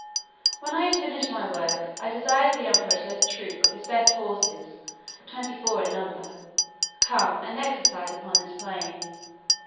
When I had finished my work, I desired the emperor to let a troop of his best horses twenty four in number, come and exercise upon this plain.